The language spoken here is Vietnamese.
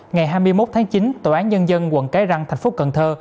ngày hai mươi một tháng chín tòa án nhân dân quận cái răng thành phố cần thơ